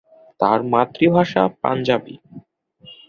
তার মাতৃভাষা পাঞ্জাবি।